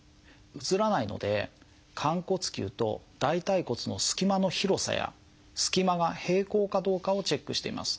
写らないので寛骨臼と大腿骨の隙間の広さや隙間が平行かどうかをチェックしています。